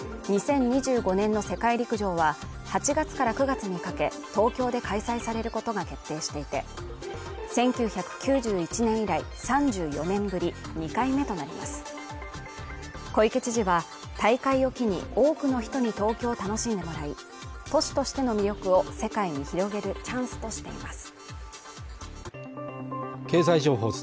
２０２５年の世界陸上は８月から９月にかけ東京で開催されることが決定していて１９９１年以来３４年ぶり２回目となります小池知事は大会を機に多くの人に東京を楽しんでもらい都市としての魅力を世界に広げるチャンスとしています